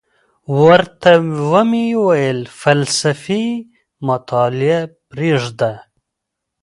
ورته ومي ویل فلسفي مطالعه پریږده،